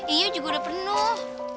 ini juga udah penuh